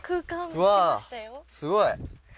うわすごい！